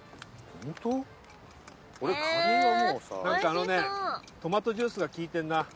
あのねトマトジュースがきいてんな。